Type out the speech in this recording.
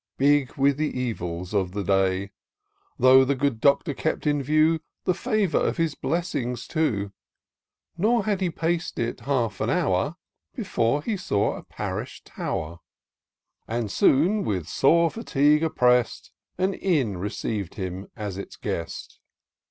Big with the evils of the day Though the good Doctor kept in view The favour of its blessings too. Nor had he pac'd it half an hour, Before he saw a parish tow'r. And soon, with sore fatigue opprest, An inn receiv'd him as its guest.